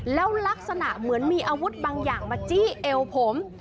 แล้วลักษณะเหมือนมีอาวุธบางอย่างมาจี้เอวผม